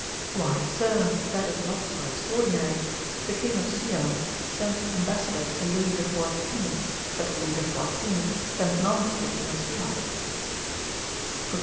'Why, Sir, that is not so extraordinary: the King of Siam sent ambassadors to Louis the Fourteenth; but Louis the Fourteenth sent none to the King of Siam.'